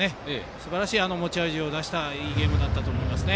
すばらしい持ち味を出したいいゲームだったと思いますね。